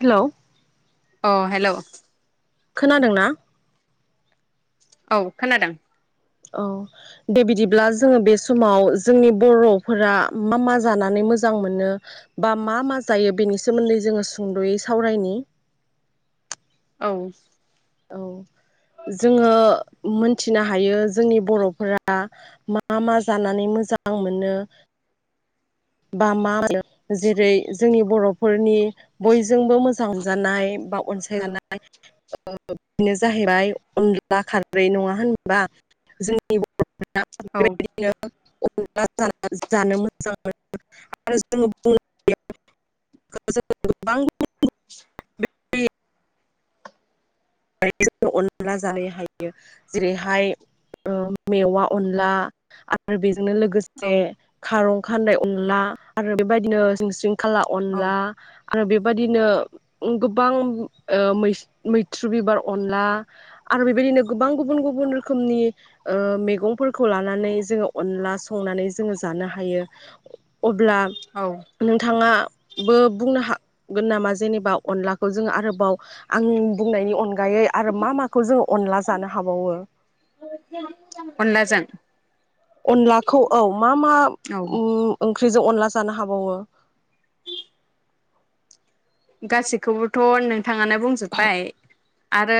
Hello अ hello खोनादों ना औ खोनादों औ दे बिदिब्ला जोङो बे समाव जोंनि बर'फोरा मा मा जानानै मोजां मोनो बा मा मा जायो बेनि सोमोन्दै जोङो सुंद'यै सावरायनि औ औ जोङो मोनथिनो हायो जोंनि बर'फोरा मा मा जानानै मोजां मोनो। बा मा होनो जेरै जोंनि बर'फोरनि बयजोंबो मोजां हमजानाय बा अनसायजानाय बेनो जाहैबाय अनला खारै नङा होनोबा जोंनि बर' औ [unintelligible] [unintelligible] [unintelligible] जनो औ लोगोसे खार खानदै अनला आरो बेबायदिनो सिं सिं खाला अनला आरो बे बेबायदिनो गोबां मै मैथ्रु बिबार अनला आरो बेबायदिनो गोबां गुबुन गुबुन रोखोमनि ओ मैगंफोरखौ लानानै जोङो अनला संनानै जोङो जानो हायो। [unintelligible] अब्ला औ नोंथाङा बो बुंनो हागोन नामा जेनेबा अनलाखौ जोङो आरोबाव आं बुंनायनि अन अनगायै आरो मा माखौ जों अनला ज जानो हाबावो अनलाजों अनलाखौ औ मा मा औ ओंख्रिजों अनला जानो हाबावो गासैखौबोथ' नों नथाङानो बुंजोब्बाय आरो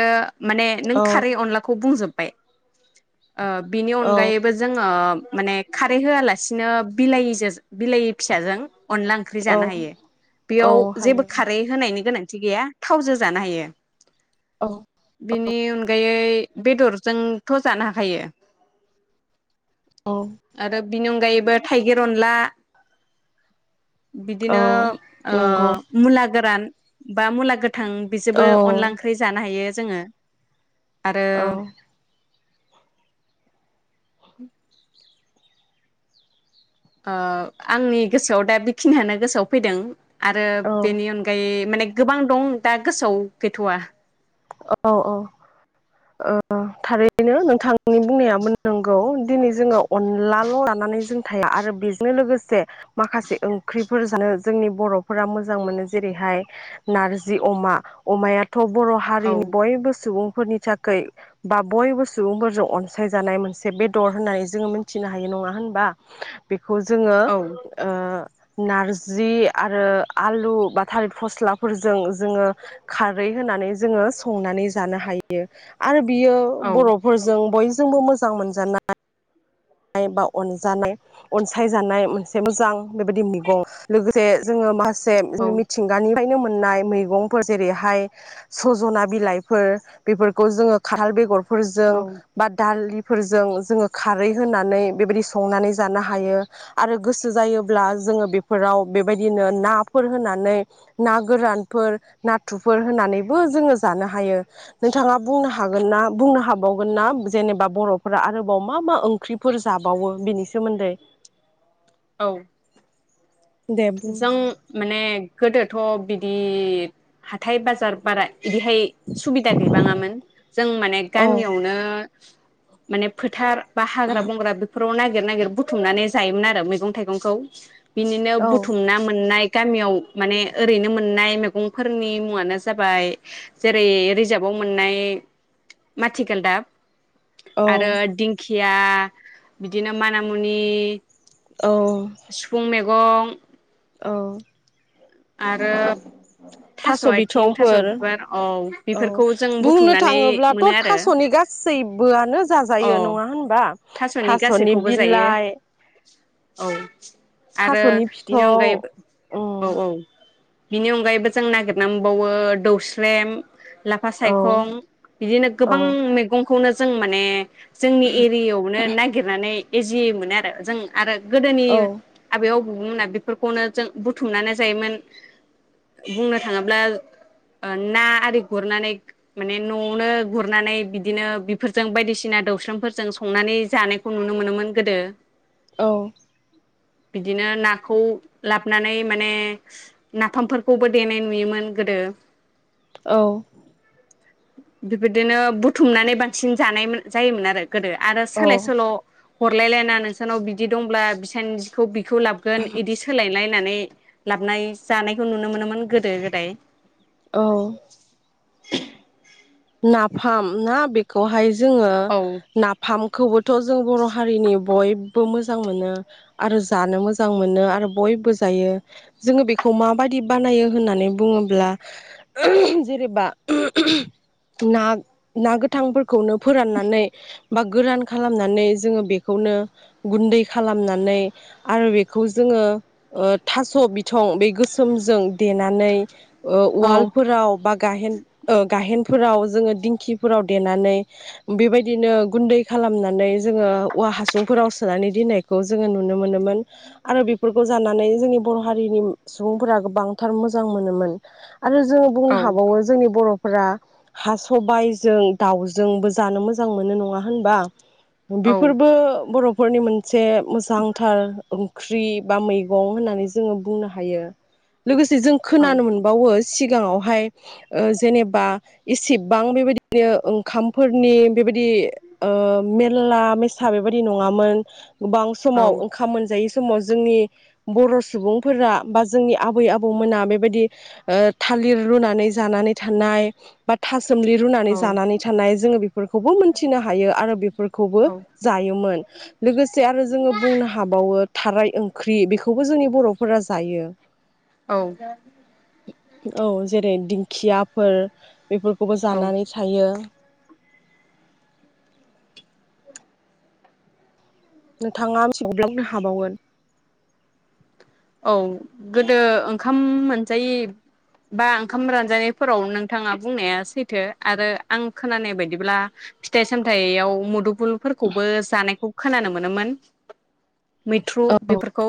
माने नों औ खारै अनलाखौ बुंजोब बाय ओ बिनि औ अनगायैबो जोङो माने खारै होआलासिनो बिलाइिजों बिलाइ फिसाजों अनला ओंख्रि औ जानो हायो औ बेयाव जेबो हायो होनायनि गोनांथि गैया थावजों जानो हायो औ बेनि अनगायै बेदरजोंथ' जानो हाखायो। औ आरो बिनि अनगायै बे थाइगिर अनला औ बिदिनो नंगौ ओ गोरान बा मुला थां औ बिजोंबो अनला ओंख्रि जानो हायो। जोङो आरो औ [inaudible] ओ आंनि गोसोआव दा बेखिनियानो गोसोआव फैदों‌। आरो बेनि अनगायै माने गोबां दं दा गोसोआव गैथ'वा। औ औ ओ थारैनो नोंथांनि बुंनायाबो नंगौ दिनै जोंङो अनलाल' लानानै जों थाया आरो बेजों लोगोसे माखासे ओंख्रिफोर जानो जोंनि बर'फोरा मोजां मोनो जेरैहाय नारजि अमा अमायाथ' बर' औ नि बयबो सुबुं फोरनि थाखाय बा बयबो सुबुंफोरजों अनसायजानाय मोनसे बेदर होननानै जोंङो मिथिनो हायो नङा होनबा बे खौ जोंङो औ ओ नारजि आरो आलु बा थालिर फस्लाफोरजों जोंङो खारै होनानै जोंङो संनानै जानो हायो आरो बियो औ बर'फोरजों बय जोंबो मोजां मोनजानाय बा अनजानाय अनसायजानाय मोनसे मोजां बेबायदि मैगं लोगोसे जोंङो मास जे औ मिथिंगानि फ्रायनो मोननाय मैगंफोर जेरैहाय सजना बिलाइफोर बेफोरखौ जोंङो खानथाल बेगर फोरजों औ बा दालि फोरजों जोंङो खारै होनानै बेबायदि संनानै जानो हायो आरो गोसो जायोब्ला जोंङो बेफोराव बेबायदिनो नाफोर होनानै ना गोरानफोर नाथुरफोर होनानैबो जोंङो जानो हायो। नोंथाङा बुंनो हा गोनना बुंनो हाबावगोन ना जेनेबा बर'फोरा आरोबाव मा मा ओं ख्रिफोर जाबावो बेनि सोमोन्दै औ दे बुं जों माने गोदोथ' बिदि हाथाय बाजार बारा बिदिहाय सुबिदा गैबाङामोन जों माने औ गामियावनो माने फोथार बा हाग्रा बंग्रा बेफोर आव नागिर-नागिर बुथुमनानै जायोमोन आरो मैगं थाइगंखौ बिदिनो औ बु मोननाय गामियाव माने ओरैनो मोननाय मैगंफोरनि मुङानो जाबाय जेरै रिजारभाव मोननाय माथिगालदाब आरो दिंकख या बिदिनो मानामुनि औ सिफुं मेगं औ आरो थास' आथिं थास' बिथंफोर बिबार औ औ बेफोरखौ जों बुंनो बुथुमनानै थाङोब्लाथ' मोनो आरो थास'नि गासैबोआनो औ जाजायो नङा होनबा थास'नि गासैखौबो जायो बिलाइ औ आरो थास'नि बिनि फिथं अनगायैबो उम औ औ बिनि अनगायैबो जों नागिरना मोनबावो दौस्रेम लाफा औ सायखं बिदिनो औ गोबां मैगं खौनो जों माने जोंनि एरियायाव नो नागिरनानै नै इजि मोनो आरो जों आरो गोदोनि औ आबायाव बुंना बेफोरखौनो जों बुथुमनानै जायोमोन बुंनो थाङोब्ला ओ ना आरि गुरनानै माने न'आवनो गुरनानै बिदिनो बेफोरजों बायदिसिना दौस्रेमफोरजों सं संनानै जानायखौ नुनो मोनोमोन गोदो । औ । बिदिनो नाखौ लाबनानै माने नाफामफोरखौबो देनाय नुयोमोन गोदो । औ । बेबायदिनो बुथुमनानै बांसिन जानायमोन जायोमोन आरो । गोदो आरो सोलाय औ सोल' हरलायलायना नोंसानाव बिदि दंब्ला बिसानिखौ बि खौ लाबगोन इदि सोलायलाय नानै लाबनाय जानायखौ नुनो मोनोमोन गोदो गोदाय औ । [inaudible] नाफाम ना बेखौहाय जोङो औ नाफामखौबोथ' जों बर' हारिनि बयबो मोजां मोनो आरो जानो मोजां मोनो आरो बयबो जायो जोङो बेखौ माबायदि बानायो होननानै बुङोब्ला जेनेबा ना ना गोथांफोर खौनो फोराननानै बा गोरान खालामनानै जोङो बेखौनो गुन्दै खालामनानै आरो बेखौ जोङो ओ थास' बिथं बे गोसोमजों देनानै ओ औ उवाल्फोराव बा गाहेन ओ गाहेन। फोराव जोङो दिंखिफोराव देनानै बेबायदिनो गुन्दै खालामनानै जोङो औवा हासुंफोराव सोनानै दोननायखौ जोङो नुनो मोनोमोन आरो बेफोरखौ जानानै जोंनि बर' हारिनि सुबुंफोरा गोबांथार मोजां मोनोमोन। आरो जोङो बुंनो औ हाबावो जोंनि बर' फ्रा हा सबाइजों दाउजोंबो जानो मोजां मोनो नङा होनबा? औ बेफोरबो बर' फोरनि मोन से मोजांथार ख्रि बा मैगं होननानै जोङो बुंनो हायो लोगोसे जों औ खोनानो मोनबावो सिगाङावहाय ओ जेनेबा। इसेबां बेबायदिनो ओंखामफोरनि [inaudible] बेबादि ओ मेरला। मेसा बेबादि नङामोन। गोबां समाव ओंखाम मोनजायैसो। समाव जोंनि बर' सुबुंफोरा बा जोंनि आबै आबौमोना बेबादि ओ थालिर रुनानै। जानानै थानाय। थासोमलि रुनानै औ जानानै थानाय जोङो बेफोरखौबो मोनथिनो हायो आरो बेफोरखौबो जायोमोन लोगोसे आरो जोङो बुंनो हाबावो। ओ थाराय ओंख्रि बिखौबो जोंनि बर'फोरा जायो। औ औ जेरै दिन। खियाफोर। बेफोरखौबो औ जानानै सायो। नोंथाङा मिथिबावब्ला बुंनो हाबावगोन। औ गोदो ओंखाम मोनजायै बा ओंखाम रानजायिफोराव नोंथाङा बुंनाया सैथो आरो आं खोनानाय बायदिब्ला फिथाइ साम। थाइयाव मुदफुलफोरखौबो जानायखौ। खोनानो मोनोमोन। मैथ्रु औ बेफोरखौ।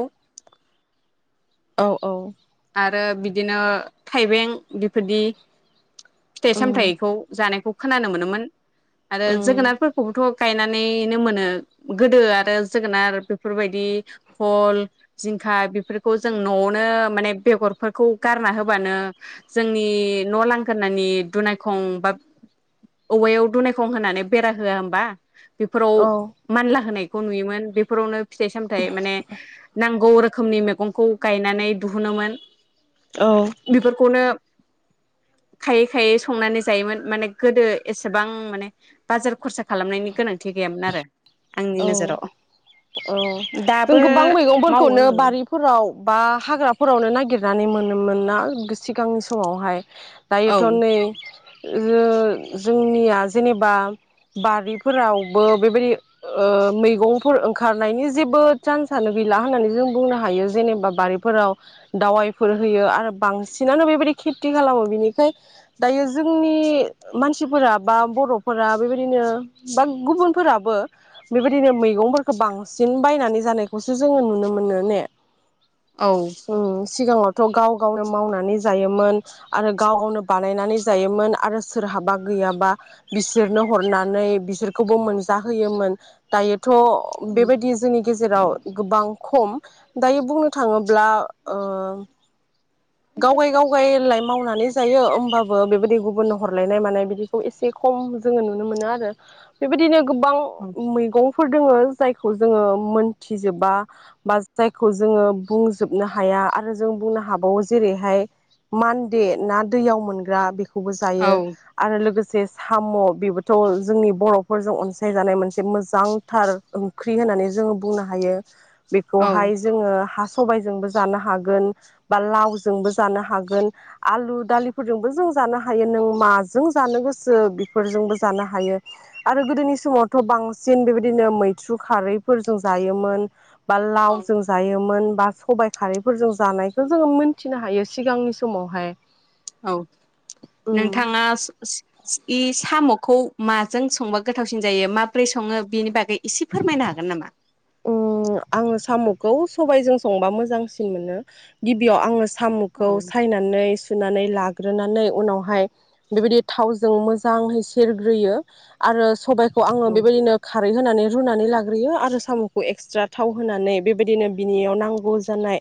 औ औ। आरो बिदिनो थाइबें बिफोरदि। फिथाइ उम सामथाइखौ जानायखौ। खोनानो मोनोमोन। आरो उम जोगोनाथ फोरखौबोथ' गायनानैनो मोनो। गोदो बेगरफोरखौ गारना होबानो जोंनि न' लांगोरानि दुनायखं बा औवायाव दुनायखं होनानै बेरा होआ होमबा बेफोराव औ मानला होनाय खौ नुयोमोन बेफोरावनो फिथाइ सामथाइ माने नांगौ रोखोमनि मैगंखौ गायनानै दिुहुनोमोन औ बेफोरखौनो खायै खायै संनानै जायोमोन माने गोदो एसेबां माने बाजार खरसा खालामनायनि गोनांथि गैयामोन आरो आंनि औ नोजोराव औ जों दाबो गोबां मावो मैगंफोरखौनो बारिफोराव बा हाग्राफोरावनो नागिरनानै मोनोमोन ना सिगांनि समावहाय औ दायोथनै जोंनिया जेनेबा बारिफोरावबो बेबायदि मैगंफोर ओंखारनायनि जेबो चान्सनो गैला होननानै जों बुंनो हायो जेनेबा बारिफोराव दावाइफोर होयो आरो बांसिनानो बेबायदि खेथि खालामो बिनिखाय दायो जोंनि मानसिफोरा बा बर'फोरा बेबायदिनो बा गुबुनफोराबो बेबायदिनो मैगंफोरखौ बांसिन बायनानै जानायखौसो जोङो नुनो मोनो ने? औ । थ' गाव गावनो मावनानै जायोमोन आरो गाव गावनो बानायनानै जायोमोन आरो सोरहाबा गैयाबा बिसोरनो हरनानै बिसोरखौबो मोनजाहोयोमोन दायो थ' बेबायदि जोंनि गेजेराव गोबां खम दायो बुंनो थाङोब्ला ओ गाव गाय गाव गाय लाय मावनानै जायो होमबाबो बेबायदि गुबुननो हरलायनाय मानाय बिदिखौ एसे खम जोङो नुनो मोनो आरो बेबायदिनो गोबां मैगं फोर दोङो जायखौ जोङो मोनथि जोबा बा जायखौ जोङो बुंजोबनो हाया आरो जों बुंनो हाबावो जेरैहाय मान्दे ना दैयाव मोनग्रा बेखौ खौबो औ जायो आरो लोगो जे साम' बेबोथ' जोंनि बर'फोरजों अनसायजानाय मोनसे मोजांथार ओंख्रि होननानै जोङो बुंनो हायो । बेखौहाय औ जोङो हा सबायजोंबो जानो हागोन बा लावजोंबो जानो हागोन आलु दालिफोरजोंबो जों जानो हायो नों माजों जानो गोसो बेफोरजोंबो जानो हायो आरो गोदोनि समावथ' बांसिन बेबायदिनो मैथ्रु खारैफोर जों जायोमोन । बा लावजों जायोमोन । बा सबाइ खारैफोरजों जानायखौ जोङो मोनथिनो हायो सिगांनि समावहाय । औ नोंथाङा सि-सि-सि साम'खौ माजों संबा गोथावसिन जायो माब्रै सङो बेनि बागै एसे फोरमायनो हागोन नामा? ओम आङो साम'खौ सबायजों संबा मोजांसिन मोनो गिबियाव आङो औ साम'खौ सायनानै सुनानै लाग्रोनानै उनावहाय बेबायदि थावजों मोजाङै सेरग्रोयो आरो सबाय खौ आङो औ बेबायदिनो खा खारै होनानै रुनानै लाग ग्रोयो आरो साम'खौ एकसट्रा थाव होनानै बेबादिनो बिनिआव नांगौ जानाय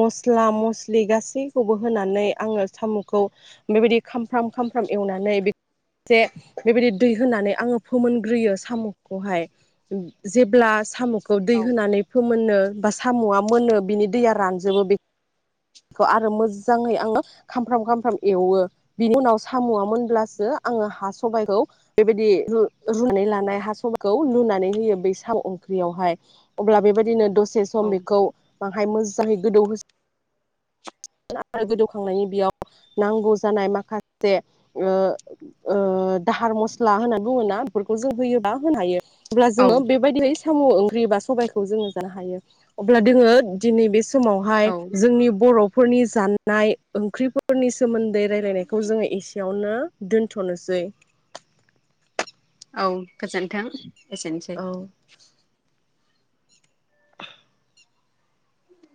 मस्ला मस्लि गासैखौबो होनानै आङो साम'खौ बेबादि खामफ्राम खामफ्राम एवनानै [unintelligible] बेबादि दै होनानै आङो फोमोनग्रोयो साम'खौहाय जेब्ला साम' खौ दै औ होनानै फोमोन मोन्नो बा साम'आ मोन्नो बिनि दैया रानजोबो बे खौ आरो मोजाङै आङो खामफ्र्राम खामफ्राम एवो बिनि उनाव साम'आ मोनब्लासो आङो हा सबायखौ बेबायदि रु रुनानै लानाय हा सबाइखौ लुनानै होयो बै साम'ओंख्रियावहाय अब्ला बेबायदिनो दसे दसे औ सम बेखौ बाहाय मोजाङै गोदौ हो [unintelligible] गोदौखांनायनि बेयाव नांगौ जानाय माखासे ओ ओ - दाहाल मस्ला होननानै बुङो ना बेफोरखौ जों होयोबा होनो हायो अब्ला औ जोङो बेबायदियै साम ओंख्रि बा सबायखौ जोङो जानो हायो अब्ला दोङो दिनै बे समावहाय जोंनि बर फोरनि जानाय ओंख्रिफोरनि सोमोन्दै राय्लायनायखौ जोङो एसेयावनो दोन्थनोसै औ गोजोन्थों एसेनोसै औ [inaudible]